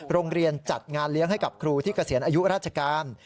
โรงเรียนจัดงานเลี้ยงให้กับครูที่เกษียณอายุราชการ